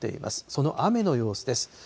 その雨の様子です。